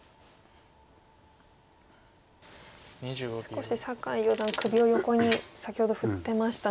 少し酒井四段首を横に先ほど振ってましたね。